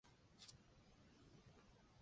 被证实将为该片提供故事。